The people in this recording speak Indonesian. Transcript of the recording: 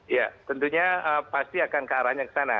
ya tentunya pasti akan ke arahnya ke sana